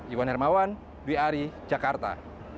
iwan hermawan wiari jakarta